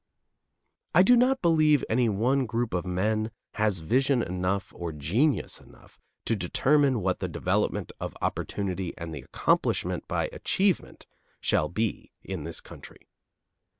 I do not believe any one group of men has vision enough or genius enough to determine what the development of opportunity and the accomplishment by achievement shall be in this country.